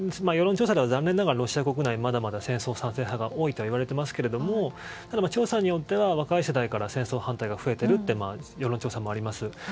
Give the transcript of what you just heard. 世論調査ではロシア国内はまだまだ戦争賛成派が多いといわれていますが調査によっては若い世代から戦争反対派が増えているという世論調査もあります。